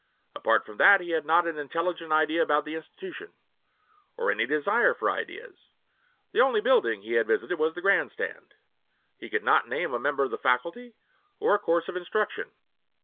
Apart from that he had not an intelligent idea about the institution, or any desire for ideas. The only building he had visited was the grandstand. He could not name a member of the faculty or a course of instruction.